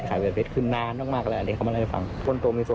ร่วมว่ามันปีนเรื่องนี้